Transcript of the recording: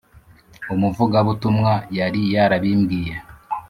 Umuvugabutumwa yari yarabimbwiye